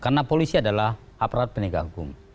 karena polisi adalah aparat peningkatan hukum